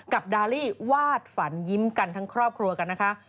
ดาลี่วาดฝันยิ้มกันทั้งครอบครัวกันนะคะ